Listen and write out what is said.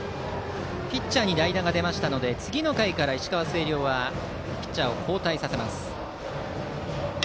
ピッチャーに代打が出ましたので次の回から石川・星稜はピッチャーを交代させます。